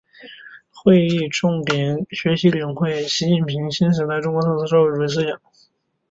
会议重点学习领会习近平新时代中国特色社会主义思想